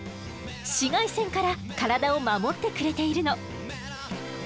紫外線からカラダを守ってくれているの。